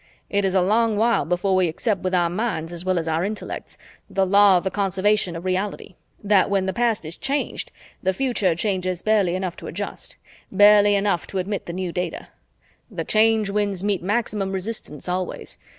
It is a long while before we accept with our minds as well as our intellects the law of the Conservation of Reality: that when the past is changed, the future changes barely enough to adjust, barely enough to admit the new data. The Change Winds meet maximum resistance always.